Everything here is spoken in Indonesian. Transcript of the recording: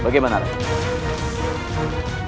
jika kita berstirahat di tempat yang lebih daerah